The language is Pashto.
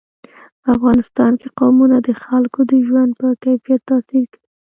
په افغانستان کې قومونه د خلکو د ژوند په کیفیت تاثیر کوي.